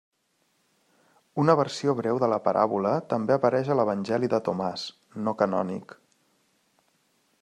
Una versió breu de la paràbola també apareix a l'Evangeli de Tomàs, no canònic.